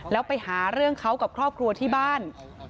แล้วไปหาเรื่องเขากับครอบครัวที่บ้าน